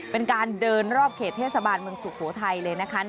เป็นการเดินรอบเขตเทศบาลเมืองสุโขทัยเลยนะคะ